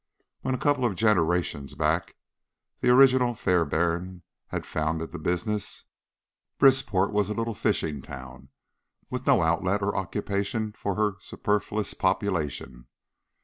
When a couple of generations back the original Fairbairn had founded the business, Brisport was a little fishing town with no outlet or occupation for her superfluous population.